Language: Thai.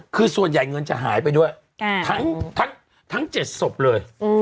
คือส่วนใหญ่เงินจะหายไปด้วยทั้ง๗ศพเลย